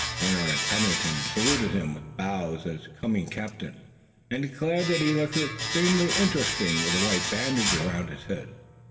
Warner and Pennington saluted him with bows as a coming captain, and declared that he looked extremely interesting with a white bandage around his head.